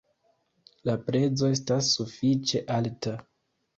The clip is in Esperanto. La prezo estas sufiĉe alta.